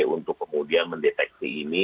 untuk kemudian mendeteksi ini